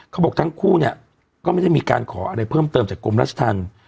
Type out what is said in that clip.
เขาบอกทั้งคู่เนี่ยก็ไม่ได้มีการขออะไรเพิ่มเติมจากกรมราชธรรม